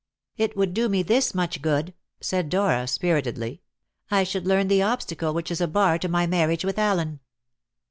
"It would do me this much good," said Dora spiritedly: "I should learn the obstacle which is a bar to my marriage with Allen."